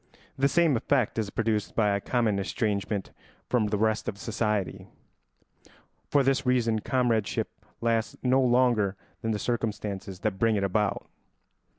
The same effect is produced by a common estrangement from the rest of society. For this reason comradeship lasts no longer than the circumstances that bring it about.